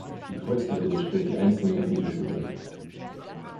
Die Kreuztabelle stellt die einzelnen Ergebnisse dar.